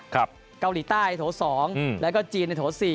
เกาหลีใต้โถ๒แล้วก็จีนในโถ๔